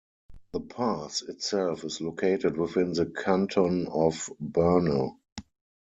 The pass itself is located within the canton of Berne.